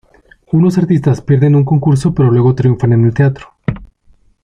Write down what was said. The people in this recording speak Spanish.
Unos artistas pierden un concurso pero luego triunfan en el teatro.